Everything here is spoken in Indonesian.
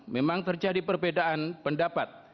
memang terjadi perbedaan pendapat